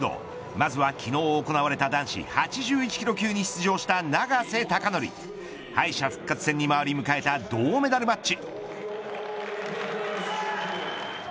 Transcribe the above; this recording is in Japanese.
まずは昨日行われた男子８１キロ級に出場した永瀬貴規敗者復活戦に回り迎えた銅メダルマッチ。